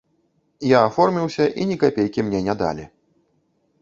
Я аформіўся, і ні капейкі мне не далі.